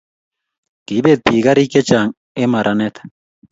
Kiipet pik karik che chang en maranet